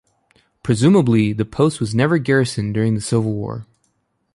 Presumably the post was never garrisoned during the Civil War.